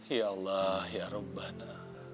ya allah ya rabbana